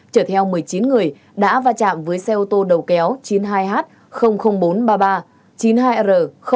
trở theo một mươi chín người đã va chạm với xe ô tô đầu kéo chín mươi hai h bốn trăm ba mươi ba chín mươi hai r bốn trăm sáu mươi chín